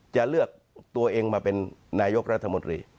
จะเลือกตัวเองมาเป็นนายกรัฐมนตรี